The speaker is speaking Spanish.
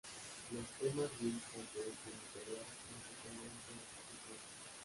Los temas líricos de este material son totalmente anti-cristianos.